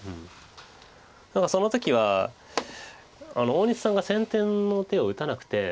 その時は大西さんが先手の手を打たなくて。